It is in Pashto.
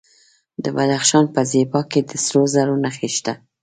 د بدخشان په زیباک کې د سرو زرو نښې شته.